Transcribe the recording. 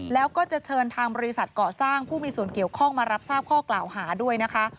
แล้วก็จะเชิญทางบริษัทก่อสร้างผู้มีส่วนเกี่ยวข้องมารับทราบข้อกล่าวหาด้วยนะคะ